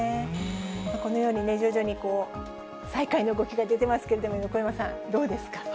このように、徐々に再開の動きが出てますけど、横山さん、どうですか？